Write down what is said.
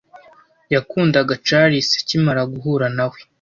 Yakundaga Charles akimara guhura na we.